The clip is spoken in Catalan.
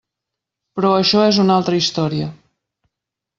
Però això és una altra història.